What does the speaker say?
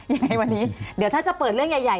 ยังไงวันนี้เดี๋ยวถ้าจะเปิดเรื่องใหญ่